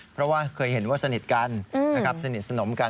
เพราะว่าเคยเห็นว่าสนิทกันนะครับสนิทสนมกัน